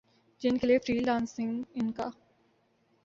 جن کے لیے فری لانسنگ ان کا